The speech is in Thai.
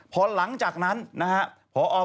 พอหลังจากนั้นนะครับพอ